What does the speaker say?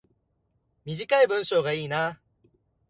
短い文章がいいな